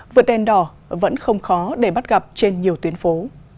vượt đèn đỏ vẫn không khó để bắt gặp trên nhiều tuyến phố